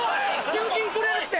純金くれるって。